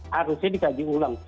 harusnya dikaji ulang